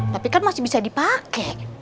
tapi kan masih bisa dipakai